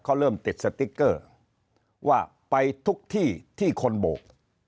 เขาเริ่มติดสติ๊กเกอร์ว่าไปทุกที่ที่คนโบก